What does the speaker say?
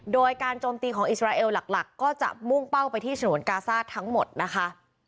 โดยการโจมตีของอิสราเอลหลักก็จะมุ่งเป้าไปที่ฉนวนกาซ่าทั้งหมดนะคะ